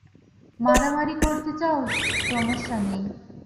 মারামারি করতে চাও, সমস্যা নেই।